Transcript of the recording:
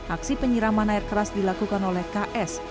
aksi penyiraman air keras dilakukan oleh ks